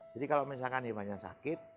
jadi kalau misalkan hewannya sakit